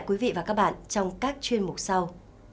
quý vị và các bạn trong các chuyên mục sau